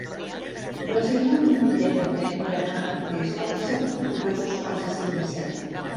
Reserva'm un bitllet de tren per anar a Artés el disset d'octubre a dos quarts i cinc de set.